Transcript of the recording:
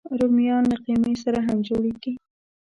رومیان له قیمې سره هم جوړېږي